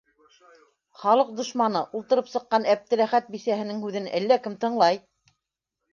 Халыҡ дошманы, ултырып сыҡҡан Әптеләхәт бисәһенең һүҙен әллә кем тыңлай!